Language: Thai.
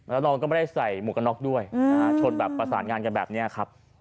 แล้วน้องก็ไม่ได้ใส่หมวกกันน็อกด้วยชนแบบประสานงานกันแบบนี้ครับ